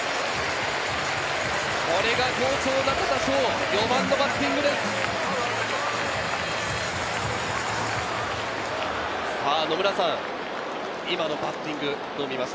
これが好調の中田翔、４番のバッティングです。